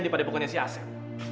daripada pokoknya si aset